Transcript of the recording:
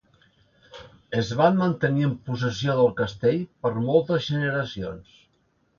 Es van mantenir en possessió del castell per moltes generacions.